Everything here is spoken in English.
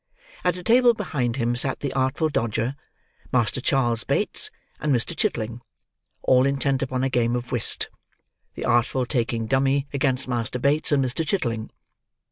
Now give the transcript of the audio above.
At a table behind him sat the Artful Dodger, Master Charles Bates, and Mr. Chitling: all intent upon a game of whist; the Artful taking dummy against Master Bates and Mr. Chitling.